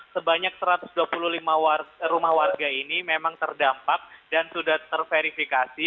sebanyak satu ratus dua puluh lima rumah warga ini memang terdampak dan sudah terverifikasi